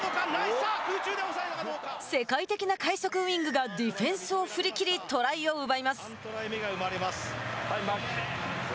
世界的な快足ウイングがディフェンスを振り切りトライを奪います。